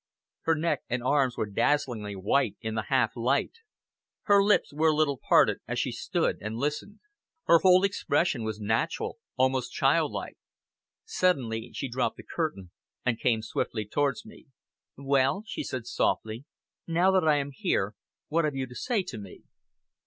Her neck and arms were dazzlingly white in the half light; her lips were a little parted as she stood and listened. Her whole expression was natural, almost childlike. Suddenly she dropped the curtain and came swiftly towards me. "Well," she said softly, "now that I am here, what have you to say to me?"